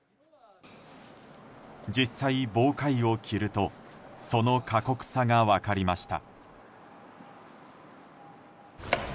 実際、防火衣を着るとその過酷さが分かりました。